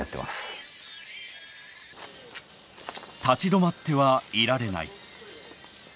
立ち止まってはいられない。